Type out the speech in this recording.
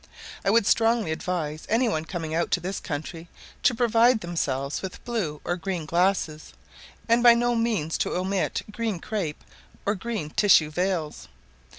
I would strongly advise any one coming out to this country to provide themselves with blue or green glasses; and by no means to omit green crape or green tissue veils.